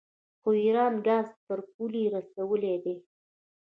خو ایران ګاز تر پولې رسولی دی.